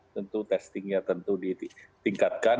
tentu testingnya tentu ditingkatkan